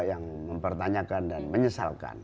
yang mempertanyakan dan menyesalkan